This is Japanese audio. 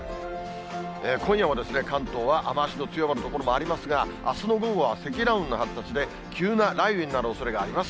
今夜はですね、関東は雨足の強まる所がありますが、あすの午後は積乱雲の発達で、急な雷雨になるおそれがあります。